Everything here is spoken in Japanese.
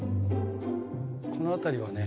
この辺りはね